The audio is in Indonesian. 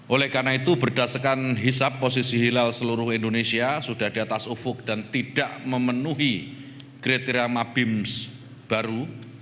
oleh karena itu berdasarkan hisap posisi hilal seluruh indonesia sudah di atas ufuk dan tidak memenuhi kriteria mabims baru